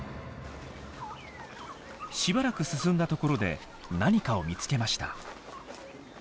しばらく進んだところで何かを見つけました。